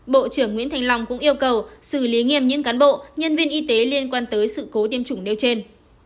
bộ trưởng nguyễn thành long cũng yêu cầu xử lý nghiêm những cán bộ nhân viên y tế liên quan tới sự cố tiêm chủng nêu trên